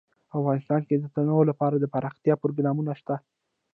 افغانستان کې د تنوع لپاره دپرمختیا پروګرامونه شته.